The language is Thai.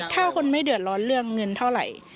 ถ้าคนไม่เดือดร้อนเงินเท่าไหร่